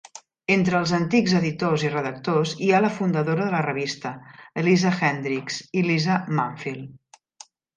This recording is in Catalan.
Entre els antics editors i redactors hi ha la fundadora de la revista, Elisa Hendricks, i Lisa Manfield.